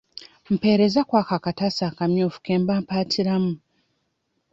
Mpeereza kw'ako akataasa akamyufu ke mba mpaatiramu.